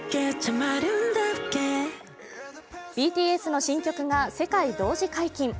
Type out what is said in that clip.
ＢＴＳの新曲が世界同時解禁。